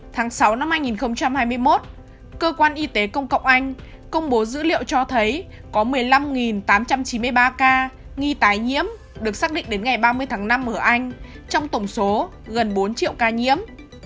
tháng sáu năm hai nghìn hai mươi một cơ quan y tế công cộng anh công bố dữ liệu cho thấy có một mươi năm tám trăm chín mươi ba ca nghi tái nhiễm được xác định đến ngày ba mươi tháng năm ở anh trong tổng số gần bốn triệu ca nhiễm